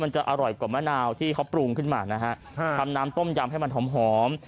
จะอร่อยกว่ามะนาวที่เขาปรุงขึ้นมานะฮะทำน้ำต้มยำให้มันหอมหอม